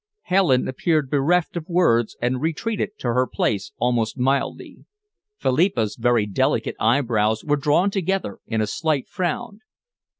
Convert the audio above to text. Helen appeared bereft of words and retreated to her place almost mildly. Philippa's very delicate eyebrows were drawn together in a slight frown.